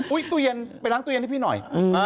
ตู้เย็นไปล้างตู้เย็นให้พี่หน่อย